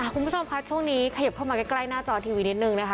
คุณผู้ชมคะช่วงนี้ขยิบเข้ามาใกล้หน้าจอทีวีนิดนึงนะคะ